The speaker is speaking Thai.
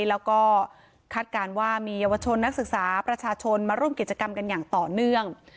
แล้วก็คาดการณ์ว่ามีเยาวชนนักศึกษาประชาชนมาร่วมกิจกรรมกันอย่างต่อเนื่อง